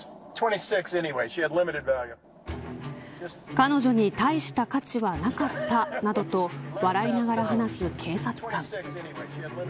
彼女に、大した価値はなかったなどと笑いながら話す警察官。